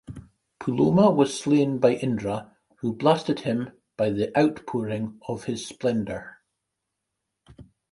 Puloman was slain by Indra, who blasted him by the outpouring of his splendor.